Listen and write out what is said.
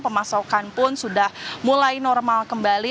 pemasokan pun sudah mulai normal kembali